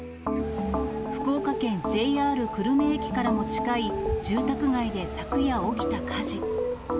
福岡県、ＪＲ久留米駅からも近い住宅街で昨夜起きた火事。